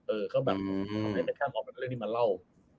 เออก็แบบเอามาให้เบคแคมป์ออกเรื่องนี้มาเล่า